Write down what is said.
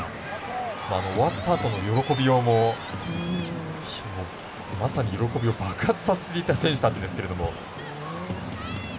終わったあとの喜びようもまさに喜びを爆発させていた選手たちですけども。